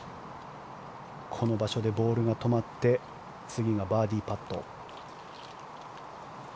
この場所でボールが止まって次がバーディーパット。